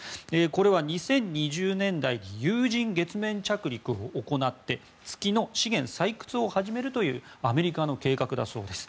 これは２０２０年代に有人月面着陸を行って月の資源採掘を始めるというアメリカの計画だそうです。